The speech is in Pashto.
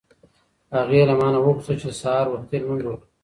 هغې له ما نه وغوښتل چې سهار وختي لمونځ وکړه.